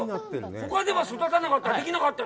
ほかでは育たなかった。